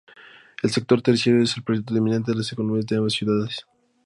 El sector terciario es el predominante en las economías de ambas ciudades.